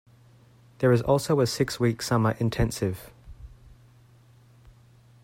There is also a Six Week Summer Intensive.